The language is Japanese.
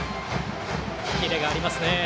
キレがありますね。